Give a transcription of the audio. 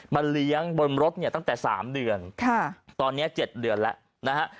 เลี้ยงบนรถเนี่ยตั้งแต่๓เดือนตอนนี้๗เดือนแล้วนะฮะ